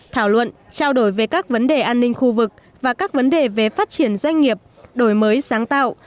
thảo luận trao đổi về các vấn đề an ninh khu vực và các vấn đề về phát triển doanh nghiệp đổi mới sáng tạo